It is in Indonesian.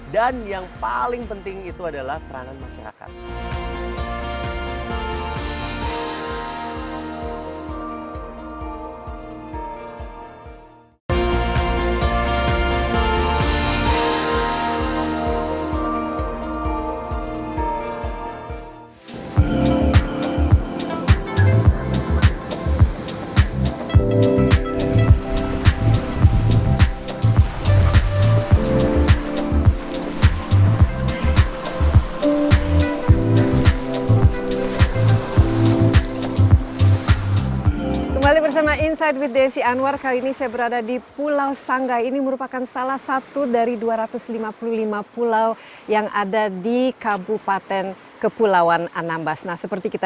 dan yang paling penting itu adalah peranan masyarakat